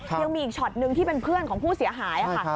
ยังมีอีกช็อตนึงที่เป็นเพื่อนของผู้เสียหายค่ะ